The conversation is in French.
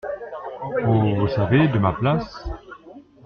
Oh ! vous savez, de ma place…